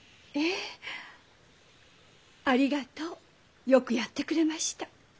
ええありがとうよくやってくれました。